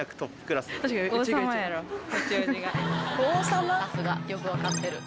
さすがよくわかってる。